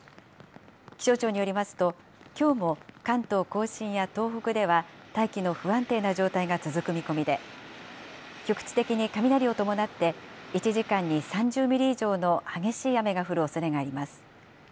気象庁によりますと、きょうも関東甲信や東北では大気の不安定な状態が続く見込みで、局地的に雷を伴って、１時間に３０ミリ以上の激しい雨が降るおそれがあります。